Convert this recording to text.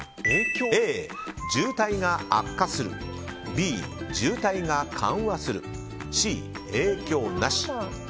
Ａ、渋滞が悪化するＢ、渋滞が緩和するＣ、影響なし。